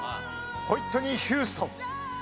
ホイットニー・ヒューストン。